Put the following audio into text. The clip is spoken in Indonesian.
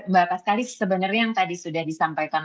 mbak pascalis sebenarnya yang tadi sudah disampaikan